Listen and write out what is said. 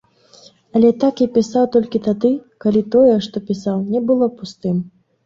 Але так я пісаў толькі тады, калі тое, што пісаў, не было пустым.